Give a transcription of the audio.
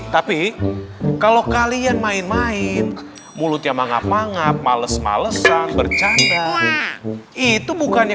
tapi kalau kalian main main mulutnya manggap manggap males malesan bercanda itu bukannya